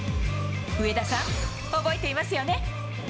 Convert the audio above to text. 上田さん、覚えていますよね？